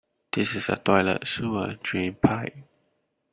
This is a toilet sewer drain pipe.